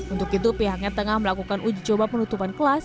untuk itu pihaknya tengah melakukan uji coba penutupan kelas